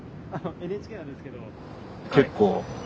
ＮＨＫなんですけど。